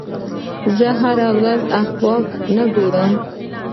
زه هره ورځ اخبار نه ګورم.